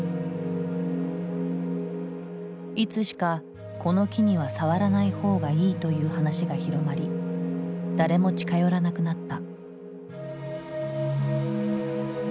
いつしかこの木には触らないほうがいいという話が広まり誰も近寄らなくなった。